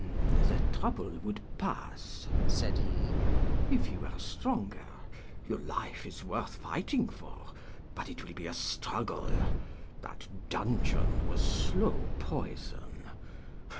"The trouble would pass," said he, "if you were stronger. Your life is worth fighting for, but it will be a struggle. That dungeon was slow poison.